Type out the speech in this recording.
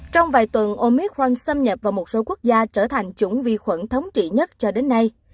trong vài tuần omicron xâm nhập vào một số quốc gia trở thành chủng vi khuẩn thống trị nhất cho đến nay